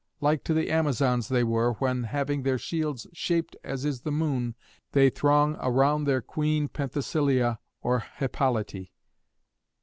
Like to the Amazons they were when, having their shields shaped as is the moon, they throng around their Queen Penthesilea or Hippolyté.